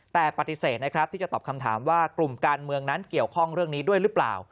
แต่ปฏิเสธนะครับที่จะตอบคำถามว่ากลุ่มการเมืองนั้นเกี่ยวข้องเรื่องนี้ด้วยหรือเปล่า